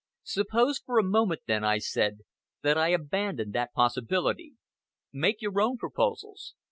"Suppose, for a moment, then," said, "that I abandon that possibility. Make your own proposals.